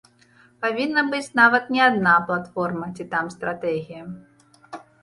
Павінна быць нават не адна платформа ці там стратэгія.